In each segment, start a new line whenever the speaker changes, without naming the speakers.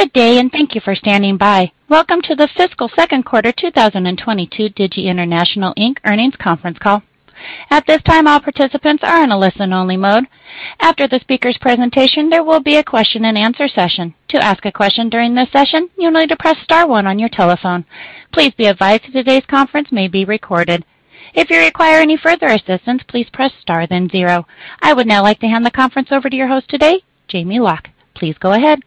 Good day, and thank you for standing by. Welcome to the fiscal Q2 2022 Digi International Inc. earnings conference call. At this time, all participants are in a listen-only mode. After the speaker's presentation, there will be a question and answer session. To ask a question during this session, you'll need to press star one on your telephone. Please be advised that today's conference may be recorded. If you require any further assistance, please press star, then zero. I would now like to hand the conference over to your host today, Jamie Loch. Please go ahead.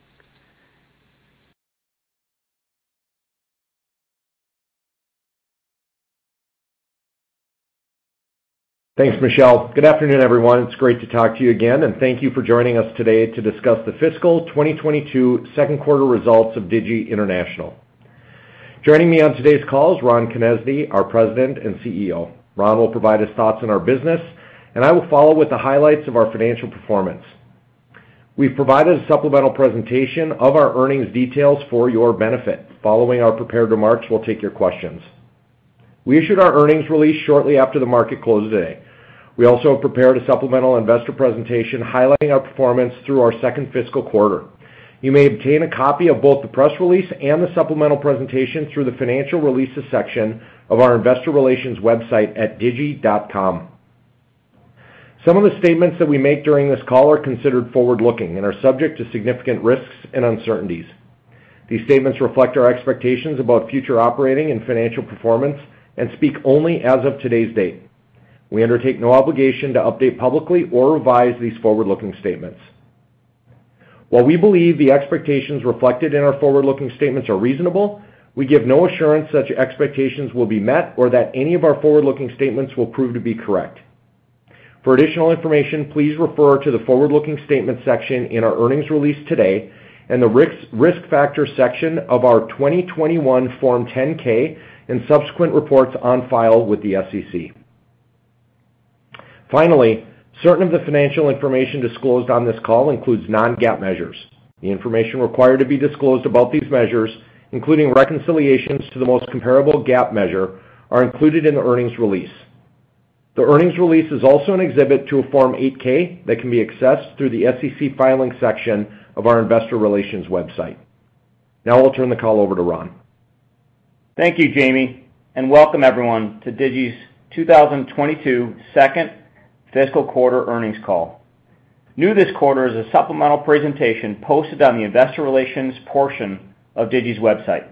Thanks, Michelle. Good afternoon, everyone. It's great to talk to you again, and thank you for joining us today to discuss the fiscal 2022 Q2 results of Digi International. Joining me on today's call is Ron Konezny, our President and CEO. Ron will provide his thoughts on our business, and I will follow with the highlights of our financial performance. We've provided a supplemental presentation of our earnings details for your benefit. Following our prepared remarks, we'll take your questions. We issued our earnings release shortly after the market closed today. We also have prepared a supplemental investor presentation highlighting our performance through our second fiscal quarter. You may obtain a copy of both the press release and the supplemental presentation through the financial releases section of our investor relations website at digi.com. Some of the statements that we make during this call are considered forward-looking and are subject to significant risks and uncertainties. These statements reflect our expectations about future operating and financial performance and speak only as of today's date. We undertake no obligation to update publicly or revise these forward-looking statements. While we believe the expectations reflected in our forward-looking statements are reasonable, we give no assurance such expectations will be met or that any of our forward-looking statements will prove to be correct. For additional information, please refer to the forward-looking statements section in our earnings release today and the risks and risk factors section of our 2021 Form 10-K and subsequent reports on file with the SEC. Finally, certain of the financial information disclosed on this call includes non-GAAP measures. The information required to be disclosed about these measures, including reconciliations to the most comparable GAAP measure, are included in the earnings release. The earnings release is also an exhibit to a Form 8-K that can be accessed through the SEC filings section of our investor relations website. Now I'll turn the call over to Ron.
Thank you, Jamie, and welcome everyone to Digi's 2022 second fiscal quarter earnings call. New this quarter is a supplemental presentation posted on the investor relations portion of Digi's website.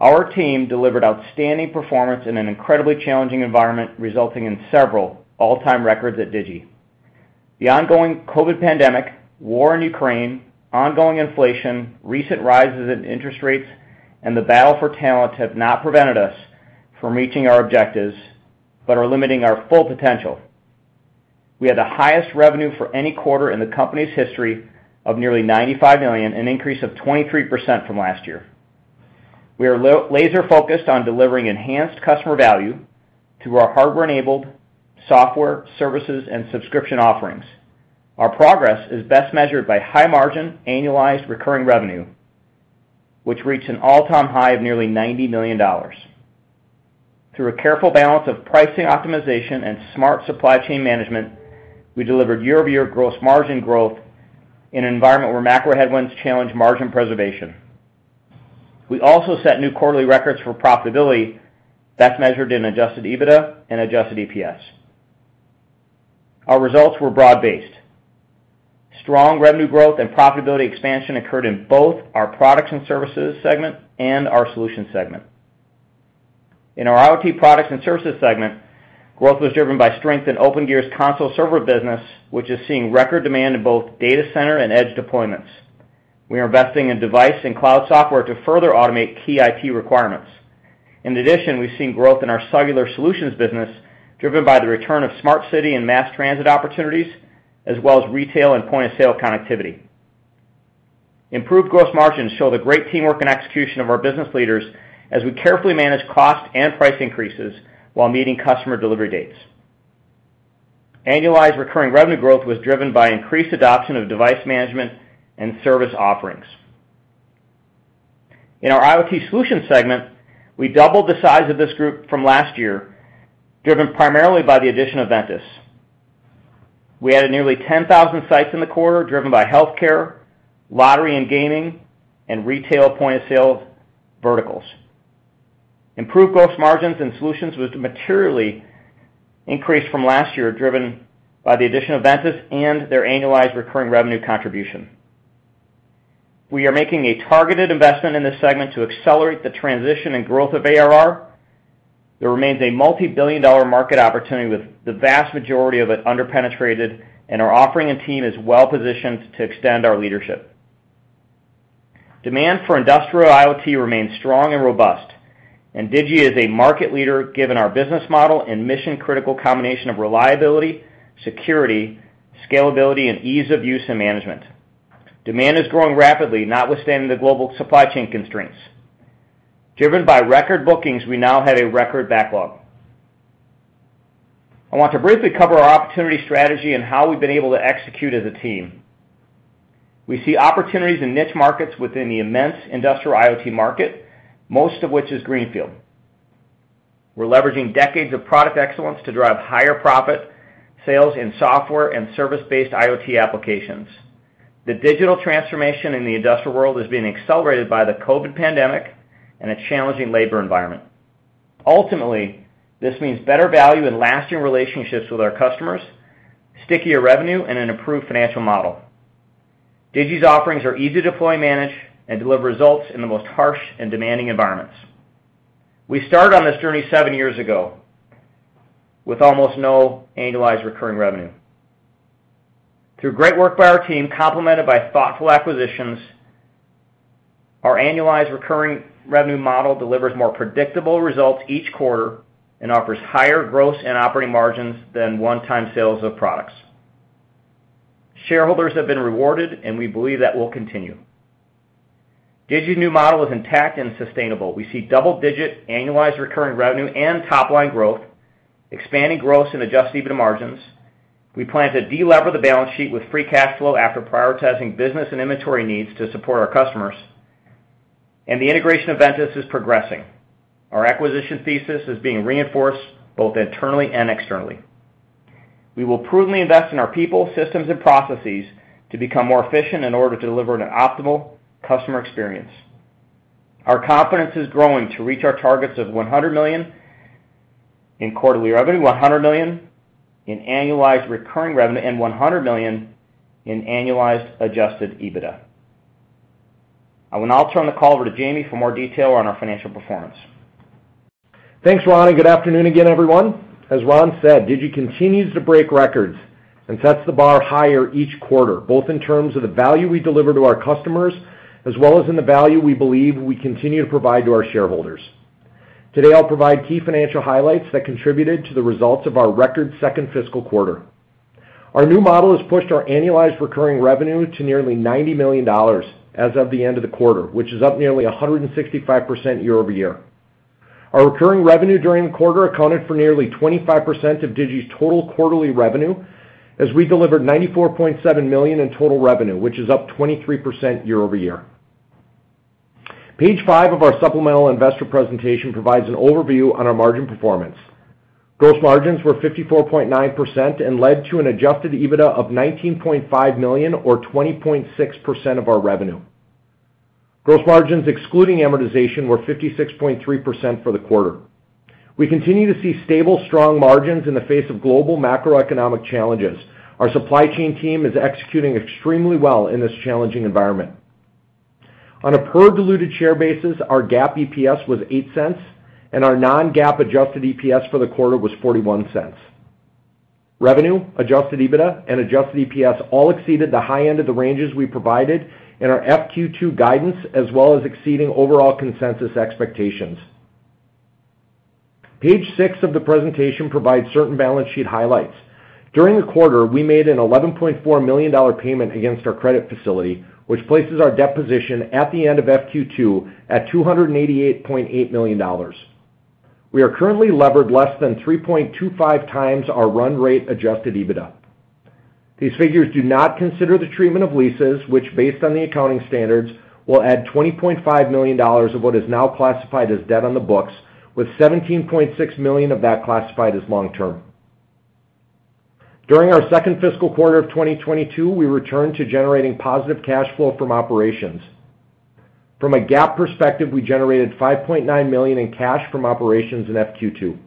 Our team delivered outstanding performance in an incredibly challenging environment, resulting in several all-time records at Digi. The ongoing COVID pandemic, war in Ukraine, ongoing inflation, recent rises in interest rates, and the battle for talent have not prevented us from reaching our objectives, but are limiting our full potential. We had the highest revenue for any quarter in the company's history of nearly $95 million, an increase of 23% from last year. We are laser focused on delivering enhanced customer value through our hardware-enabled software services and subscription offerings. Our progress is best measured by high margin annualized recurring revenue, which reached an all-time high of nearly $90 million. Through a careful balance of pricing optimization and smart supply chain management, we delivered year-over-year gross margin growth in an environment where macro headwinds challenge margin preservation. We also set new quarterly records for profitability, best measured in Adjusted EBITDA and Adjusted EPS. Our results were broad-based. Strong revenue growth and profitability expansion occurred in both our products and services segment and our solutions segment. In our IoT products and services segment, growth was driven by strength in Opengear's console server business, which is seeing record demand in both data center and edge deployments. We are investing in device and cloud software to further automate key IT requirements. In addition, we've seen growth in our cellular solutions business driven by the return of smart city and mass transit opportunities, as well as retail and point-of-sale connectivity. Improved gross margins show the great teamwork and execution of our business leaders as we carefully manage cost and price increases while meeting customer delivery dates. Annualized recurring revenue growth was driven by increased adoption of device management and service offerings. In our IoT solutions segment, we doubled the size of this group from last year, driven primarily by the addition of Ventus. We added nearly 10,000 sites in the quarter, driven by healthcare, lottery and gaming, and retail point-of-sale verticals. Improved gross margins in solutions was materially increased from last year, driven by the addition of Ventus and their annualized recurring revenue contribution. We are making a targeted investment in this segment to accelerate the transition and growth of ARR. There remains a multi-billion dollar market opportunity with the vast majority of it under-penetrated and our offering and team is well positioned to extend our leadership. Demand for industrial IoT remains strong and robust, and Digi is a market leader given our business model and mission-critical combination of reliability, security, scalability, and ease of use and management. Demand is growing rapidly, notwithstanding the global supply chain constraints. Driven by record bookings, we now have a record backlog. I want to briefly cover our opportunity strategy and how we've been able to execute as a team. We see opportunities in niche markets within the immense industrial IoT market, most of which is greenfield. We're leveraging decades of product excellence to drive higher profit sales in software and service-based IoT applications. The digital transformation in the industrial world is being accelerated by the COVID pandemic and a challenging labor environment. Ultimately, this means better value and lasting relationships with our customers, stickier revenue, and an improved financial model. Digi's offerings are easy to deploy and manage and deliver results in the most harsh and demanding environments. We started on this journey seven years ago with almost no Annualized Recurring Revenue. Through great work by our team, complemented by thoughtful acquisitions, our Annualized Recurring Revenue model delivers more predictable results each quarter and offers higher gross and operating margins than one-time sales of products. Shareholders have been rewarded, and we believe that will continue. Digi's new model is intact and sustainable. We see double-digit Annualized Recurring Revenue and top-line growth, expanding gross and Adjusted EBITDA margins. We plan to delever the balance sheet with free cash flow after prioritizing business and inventory needs to support our customers. The integration of Ventus is progressing. Our acquisition thesis is being reinforced both internally and externally. We will prudently invest in our people, systems, and processes to become more efficient in order to deliver an optimal customer experience. Our confidence is growing to reach our targets of $100 million in quarterly revenue, $100 million in Annualized Recurring Revenue, and $100 million in annualized Adjusted EBITDA. I will now turn the call over to Jamie for more detail on our financial performance.
Thanks, Ron, and good afternoon again, everyone. As Ron said, Digi continues to break records and sets the bar higher each quarter, both in terms of the value we deliver to our customers, as well as in the value we believe we continue to provide to our shareholders. Today, I'll provide key financial highlights that contributed to the results of our record second fiscal quarter. Our new model has pushed our annualized recurring revenue to nearly $90 million as of the end-of-the-quarter, which is up nearly 165% year-over-year. Our recurring revenue during the quarter accounted for nearly 25% of Digi's total quarterly revenue as we delivered $94.7 million in total revenue, which is up 23% year-over-year. Page five of our supplemental investor presentation provides an overview on our margin performance. Gross margins were 54.9% and led to an Adjusted EBITDA of $19.5 million or 20.6% of our revenue. Gross margins excluding amortization were 56.3% for the quarter. We continue to see stable, strong margins in the face of global macroeconomic challenges. Our supply chain team is executing extremely well in this challenging environment. On a per diluted share basis, our GAAP EPS was $0.08, and our non-GAAP Adjusted EPS for the quarter was $0.41. Revenue, Adjusted EBITDA, and Adjusted EPS all exceeded the high-end of the ranges we provided in our FQ2 guidance as well as exceeding overall consensus expectations. Page six of the presentation provides certain balance sheet highlights. During the quarter, we made an $11.4 million payment against our credit facility, which places our debt position at the end of FQ2 at $288.8 million. We are currently levered less than 3.25 times our run rate Adjusted EBITDA. These figures do not consider the treatment of leases, which based on the accounting standards, will add $20.5 million of what is now classified as debt on the books, with $17.6 million of that classified as long-term. During our second fiscal quarter of 2022, we returned to generating positive cash flow from operations. From a GAAP perspective, we generated $5.9 million in cash from operations in FQ2.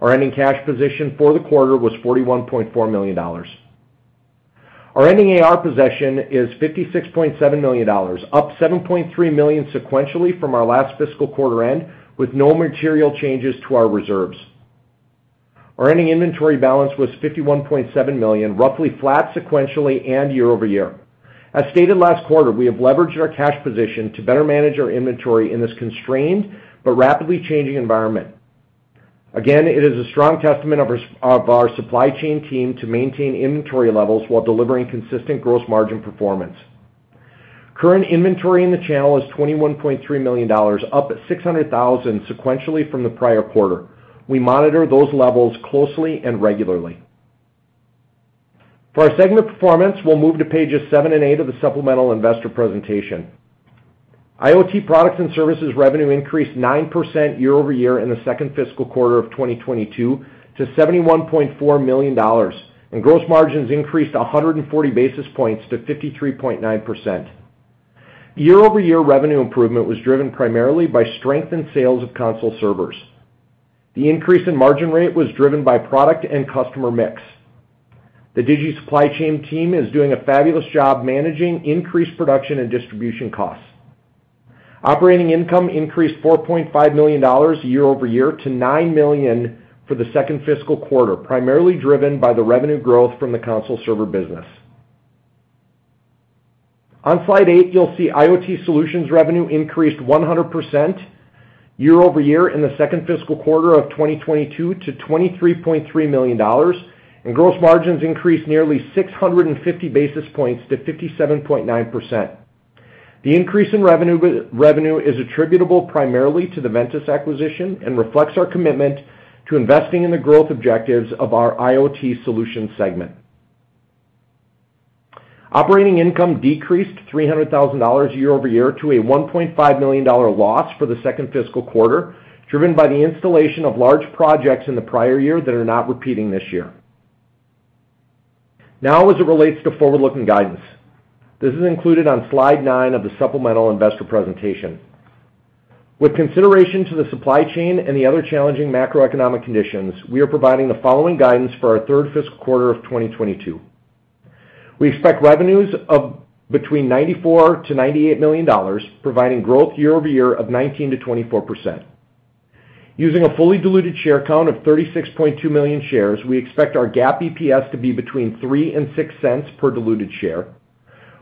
Our ending cash position for the quarter was $41.4 million. Our ending AR position is $56.7 million, up $7.3 million sequentially from our last fiscal quarter end, with no material changes to our reserves. Our ending inventory balance was $51.7 million, roughly flat sequentially and year-over-year. As stated last quarter, we have leveraged our cash position to better manage our inventory in this constrained but rapidly changing environment. Again, it is a strong testament of our supply chain team to maintain inventory levels while delivering consistent gross margin performance. Current inventory in the channel is $21.3 million, up $600,000 sequentially from the prior quarter. We monitor those levels closely and regularly. For our segment performance, we'll move to pages seven and eigth of the supplemental investor presentation. IoT products and services revenue increased 9% year-over-year in the second fiscal quarter of 2022 to $71.4 million, and gross margins increased 140 basis points to 53.9%. Year-over-year revenue improvement was driven primarily by strength in sales of console servers. The increase in margin rate was driven by product and customer mix. The Digi supply chain team is doing a fabulous job managing increased production and distribution costs. Operating income increased $4.5 million year-over-year to $9 million for the second fiscal quarter, primarily driven by the revenue growth from the console server business. On slide eight, you'll see IoT solutions revenue increased 100% year-over-year in the second fiscal quarter of 2022 to $23.3 million, and gross margins increased nearly 650 basis points to 57.9%. The increase in revenue is attributable primarily to the Ventus acquisition and reflects our commitment to investing in the growth objectives of our IoT solutions segment. Operating income decreased to $300,000 year-over-year to a $1.5 million loss for the second fiscal quarter, driven by the installation of large projects in the prior year that are not repeating this year. Now as it relates to forward-looking guidance. This is included on slide nine of the supplemental investor presentation. With consideration to the supply chain and the other challenging macroeconomic conditions, we are providing the following guidance for our third fiscal quarter of 2022. We expect revenues of between $94 million-$98 million, providing growth year-over-year of 19%-24%. Using a fully diluted share count of 36.2 million shares, we expect our GAAP EPS to be between $0.03 and $0.06 per diluted share.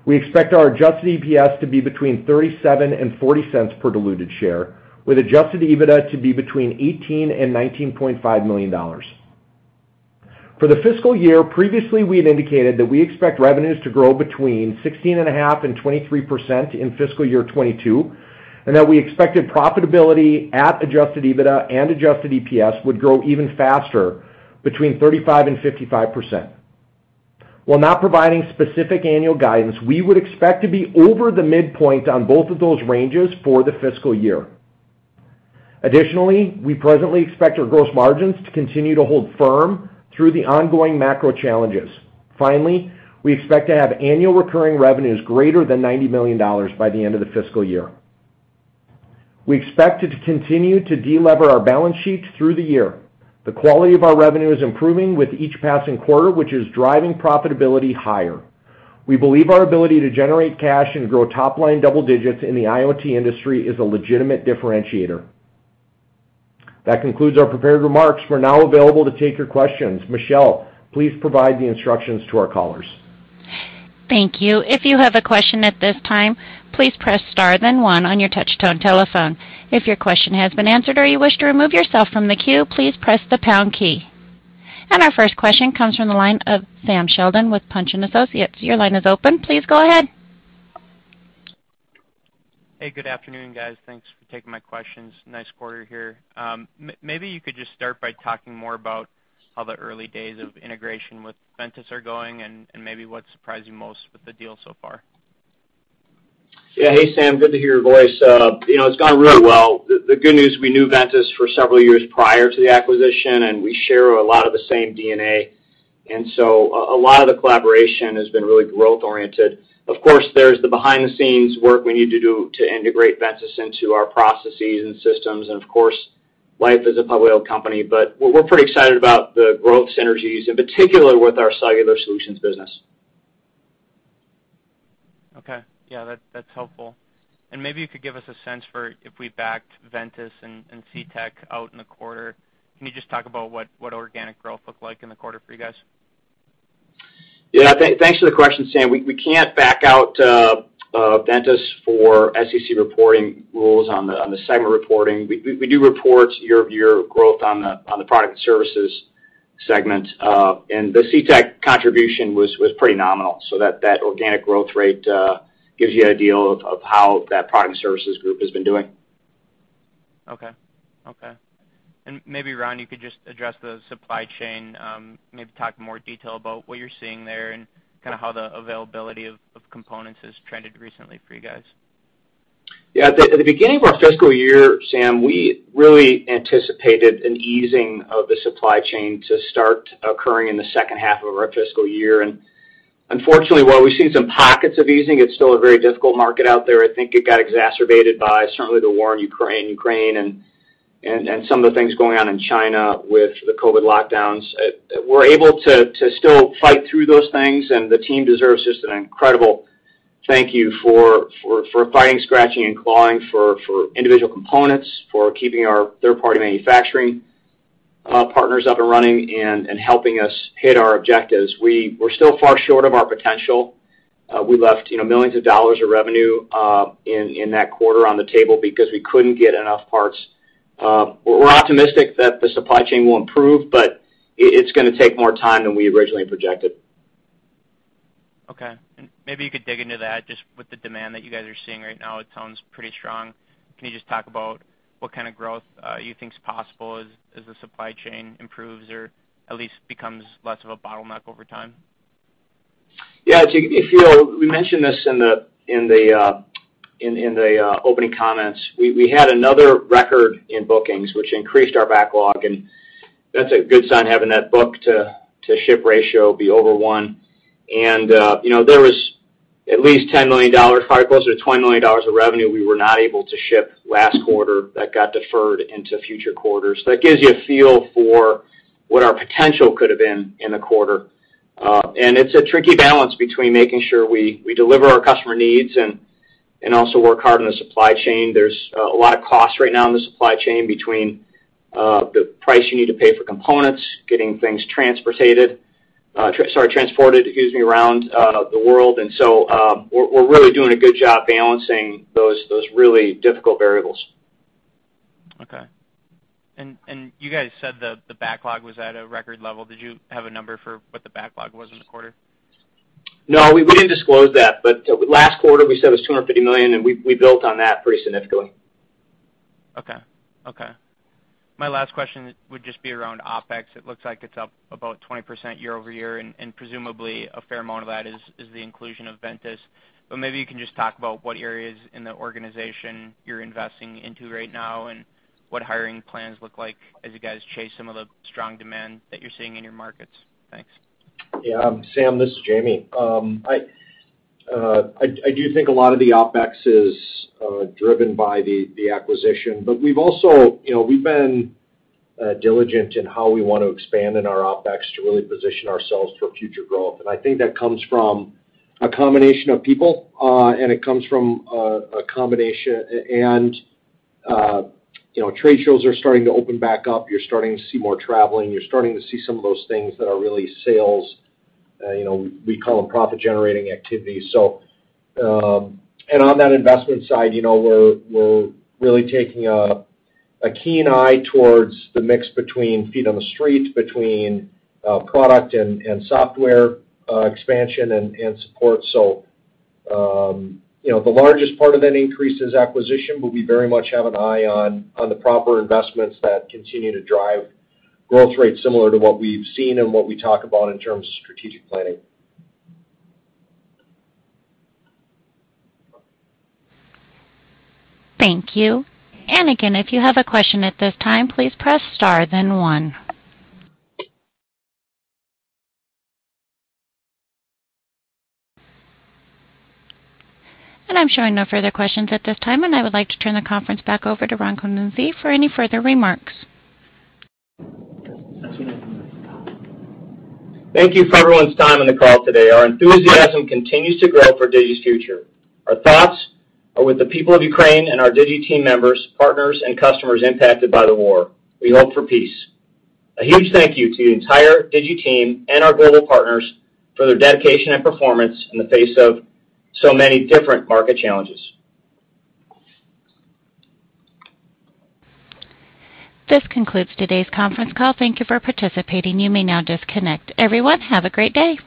We expect our Adjusted EPS to be between $0.37 and $0.40 per diluted share, with Adjusted EBITDA to be $18-$19.5 million. For the fiscal year, previously we had indicated that we expect revenues to grow between 16.5% and 23% in fiscal year 2022, and that we expected profitability at Adjusted EBITDA and Adjusted EPS would grow even faster between 35% and 55%. While not providing specific annual guidance, we would expect to be over the midpoint on both of those ranges for the fiscal year. Additionally, we presently expect our gross margins to continue to hold firm through the ongoing macro challenges. Finally, we expect to have annual recurring revenues >$90 million by the end of the fiscal year. We expect to continue to delever our balance sheet through the year. The quality of our revenue is improving with each passing quarter, which is driving profitability higher. We believe our ability to generate cash and grow top line double digits in the IoT industry is a legitimate differentiator. That concludes our prepared remarks. We're now available to take your questions. Michelle, please provide the instructions to our callers.
Thank you. If you have a question at this time, please press star then one on your touch tone telephone. If your question has been answered or you wish to remove yourself from the queue, please press the pound key. Our first question comes from the line of Sam Sheldon with Punch & Associates. Your line is open. Please go ahead.
Hey, good afternoon, guys. Thanks for taking my questions, nice quarter here. Maybe you could just start by talking more about how the early days of integration with Ventus are going, and maybe what surprised you most with the deal so far?
Yeah. Hey, Sam. Good to hear your voice. You know, it's gone really well. The good news, we knew Ventus for several years prior to the acquisition, and we share a lot of the same DNA. A lot of the collaboration has been really growth oriented. Of course, there's the behind the scenes work we need to do to integrate Ventus into our processes and systems and of course, life as a public company. We're pretty excited about the growth synergies, in particular with our cellular solutions business.
Okay. Yeah, that's helpful. Maybe you could give us a sense for if we backed Ventus and Ctek out in the quarter. Can you just talk about what organic growth looked like in the quarter for you guys?
Yeah, thanks for the question, Sam. We can't back out Ventus for SEC reporting rules on the segment reporting. We do report year-over-year growth on the product and services segment. The Ctek contribution was pretty nominal, so that organic growth rate gives you an idea of how that product and services group has been doing.
Okay. Maybe, Ron, you could just address the supply chain, maybe talk in more detail about what you're seeing there and kinda how the availability of components has trended recently for you guys.
Yeah. At the beginning of our fiscal year, Sam, we really anticipated an easing of the supply chain to start occurring in the second half of our fiscal year. Unfortunately, while we've seen some pockets of easing, it's still a very difficult market out there. I think it got exacerbated by certainly the war in Ukraine and some of the things going on in China with the COVID lockdowns. We're able to still fight through those things, and the team deserves just an incredible thank you for fighting, scratching, and clawing for individual components, for keeping our third-party manufacturing partners up and running and helping us hit our objectives. We're still far short of our potential. We left, you know, millions of dollars of revenue in that quarter on the table because we couldn't get enough parts. We're optimistic that the supply chain will improve, but it's gonna take more time than we originally projected.
Okay. Maybe you could dig into that just with the demand that you guys are seeing right now. It sounds pretty strong. Can you just talk about what kind of growth you think is possible as the supply chain improves or at least becomes less of a bottleneck over time?
We mentioned this in the opening comments. We had another record in bookings which increased our backlog, and that's a good sign having that book-to-ship ratio be over one. You know, there was at least $10 million, probably closer to $20 million of revenue we were not able to ship last quarter that got deferred into future quarters. That gives you a feel for what our potential could have been in the quarter. It's a tricky balance between making sure we deliver our customer needs and also work hard on the supply chain. There's a lot of costs right now in the supply chain between the price you need to pay for components, getting things transported around the world. We're really doing a good job balancing those really difficult variables.
Okay. You guys said the backlog was at a record level. Did you have a number for what the backlog was in the quarter?
No, we didn't disclose that. Last quarter, we said it was $250 million, and we built on that pretty significantly.
My last question would just be around OpEx. It looks like it's up about 20% year-over-year, and presumably a fair amount of that is the inclusion of Ventus. Maybe you can just talk about what areas in the organization you're investing into right now and what hiring plans look like as you guys chase some of the strong demand that you're seeing in your markets. Thanks.
Yeah, Sam, this is Jamie. I do think a lot of the OpEx is driven by the acquisition, but we've also, you know, we've been diligent in how we want to expand in our OpEx to really position ourselves for future growth. I think that comes from a combination of people, and it comes from a combination. You know, trade shows are starting to open back up. You're starting to see more traveling. You're starting to see some of those things that are really sales, you know, we call them profit-generating activities. On that investment side, you know, we're really taking a keen eye towards the mix between feet on the street, between product and software expansion and support. You know, the largest part of that increase is acquisition, but we very much have an eye on the proper investments that continue to drive growth rates similar to what we've seen and what we talk about in terms of strategic planning.
Thank you. Again, if you have a question at this time, please press star then one. I'm showing no further questions at this time, and I would like to turn the conference back over to Ron Konezny for any further remarks.
Thank you for everyone's time on the call today. Our enthusiasm continues to grow for Digi's future. Our thoughts are with the people of Ukraine and our Digi team members, partners, and customers impacted by the war. We hope for peace. A huge thank you to the entire Digi team and our global partners for their dedication and performance in the face of so many different market challenges.
This concludes today's conference call. Thank you for participating. You may now disconnect. Everyone, have a great day.